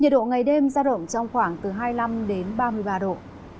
nhiệt độ ngày đêm ra động trong khoảng từ hai mươi năm đến ba mươi ba độ